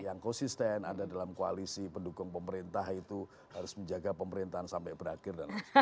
yang konsisten ada dalam koalisi pendukung pemerintah itu harus menjaga pemerintahan sampai berakhir